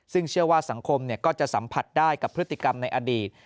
ซึ่งเชื่อว่าสังคมก็จะสัมผัสได้กับพฤติกรรมในอดีต